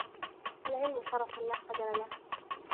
الْعِلْمُ شَرَفٌ لَا قَدْرَ لَهُ